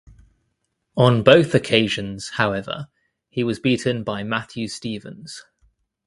On both occasions, however, he was beaten by Matthew Stevens.